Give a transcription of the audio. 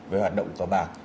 về hoạt động tòa bạc